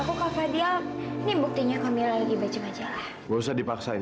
tapi kak mila pengen banget kak fadil